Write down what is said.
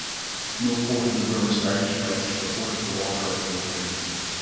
No potable rivers are utilised for potable water locally.